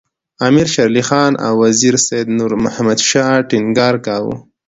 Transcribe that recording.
امیر شېر علي خان او وزیر سید نور محمد شاه ټینګار کاوه.